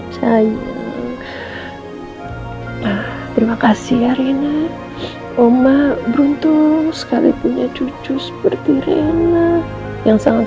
banyak terima kasih arena oma beruntung sekali punya cucu seperti riana yang sangat